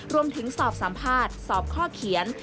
รวมถึงสอบสัมภาษณ์สอบข้อเขียน